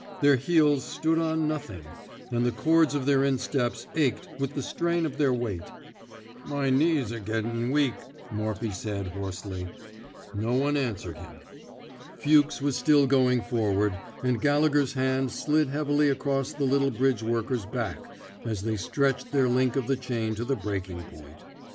Their heels stood on nothing; and the cords of their insteps ached with the strain of their weight. My knees are gettin' weak,'* Morphy said, hoarsely. No one answered him. Fuchs was still going forward, and Gallegher 's hand slid heavily across the little bridge worker's back as they stretched their link of the chain to the breaking point.